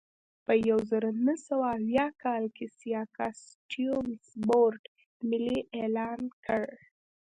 په یوه زرو نهه سوه اویا کال کې سیاکا سټیونز بورډ ملي اعلان کړ.